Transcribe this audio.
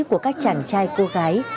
của các chàng trai cô gái